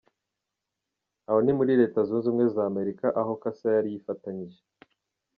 Aho ni muri Leta Zunze Umwe za Amerika aho cassa yari yifatanyije .